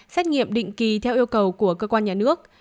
xét nghiệm định kỳ theo yêu cầu của cơ quan nhà nước